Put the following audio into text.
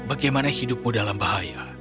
bagaimana hidupmu dalam bahaya